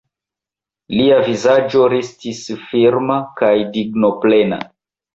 Lia vizaĝo restis firma kaj dignoplena.